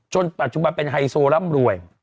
ปัจจุบันเป็นไฮโซร่ำรวย